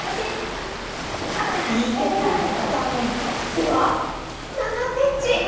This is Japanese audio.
では、７ｃｍ。